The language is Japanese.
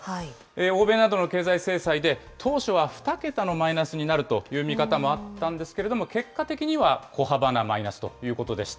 欧米などの経済制裁で、当初は２桁のマイナスになるという見方もあったんですけれども、結果的には小幅なマイナスということでした。